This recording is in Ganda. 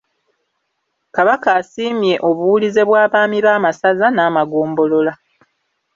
Kabaka asiimye obuwulize bw’abaami b’amasaza n’amagombolola.